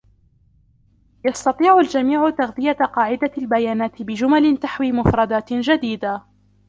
يستطيع الجميع تغذية قاعدة البيانات بجمل تحوي مفردات جديدة.